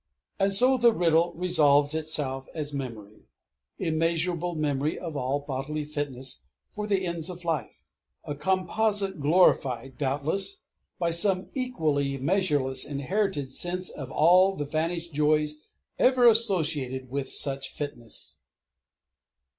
III And so the Riddle resolves itself as Memory, immeasurable Memory of all bodily fitness for the ends of life: a Composite glorified, doubtless, by some equally measureless inherited sense of all the vanished joys ever associated with such fitness.